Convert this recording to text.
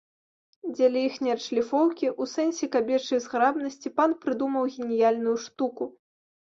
Дзеля іхняй адшліфоўкі ў сэнсе кабечай зграбнасці пан прыдумаў геніяльную штуку.